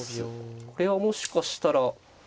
これはもしかしたら。